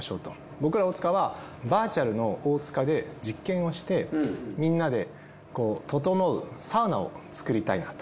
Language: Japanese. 僕ら大塚はバーチャルの大塚で実験をしてみんなでととのうサウナを作りたいなと。